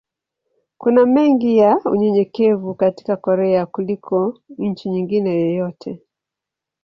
Kuna mengi ya unyenyekevu katika Korea kuliko nchi nyingine yoyote.